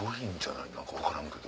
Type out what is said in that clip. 何か分からんけど。